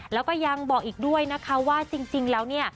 แล้วก็ยังบอกอีกด้วยนะคะว่าจริงแล้วเนี่ย